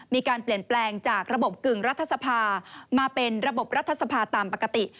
มีการเปลี่ยนแปลงจากระบบกึ่งรัฐสภามาเป็นระบบรัฐสภาตามปกติ